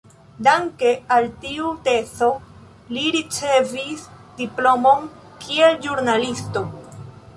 Danke al tiu tezo li ricevis diplomon kiel ĵurnalisto.